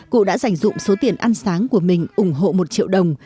cụ đã giành dụng số tiền ăn sáng của mình ủng hộ một triệu đồng